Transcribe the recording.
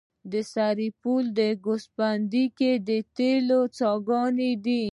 د سرپل په ګوسفندي کې د تیلو څاګانې دي.